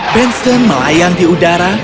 benson melayang di udara